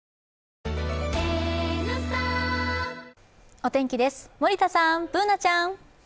お天気です、森田さん、Ｂｏｏｎａちゃん。